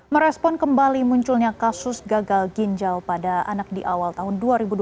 merespon kembali munculnya kasus gagal ginjal pada anak di awal tahun dua ribu dua puluh